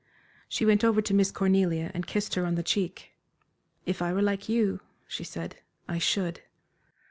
She went over to Miss Cornelia and kissed her on the cheek. "If I were like you," she said, "I should."